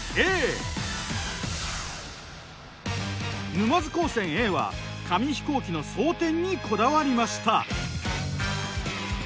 沼津高専Ａは紙飛行機の装填にこだわりました。